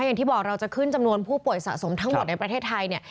อย่างที่บอกเราจะขึ้นจำนวนผู้ป่วยสะสมทั้งหมดในประเทศไทยเนี่ย